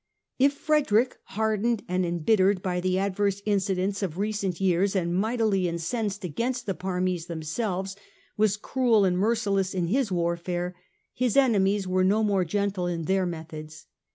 If Frederick, hardened and embittered by the adverse incidents of recent years and mightily incensed against the Parmese themselves, was cruel and merciless in his warfare, his enemies were no more gentle in their methods.